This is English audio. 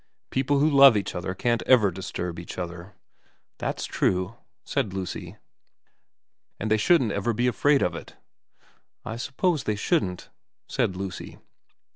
People who love each other can't ever disturb each other.' ' That's true,' said Lucy. ' And they shouldn't ever be afraid of it.' * I suppose they shouldn't,' said Lucy.